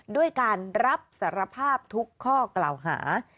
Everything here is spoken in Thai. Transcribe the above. ด้วยการรับสารภาพทุกข้อกล่าวหา